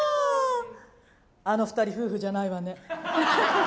あの２人、夫婦じゃないわね。